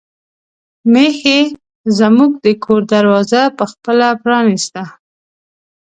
میښې زموږ د کور دروازه په خپله پرانیسته.